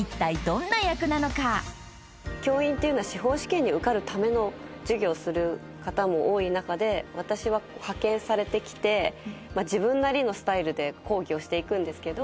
教員っていうのは司法試験に受かるための授業をする方も多い中で私は派遣されてきて自分なりのスタイルで講義をしてくんですけど。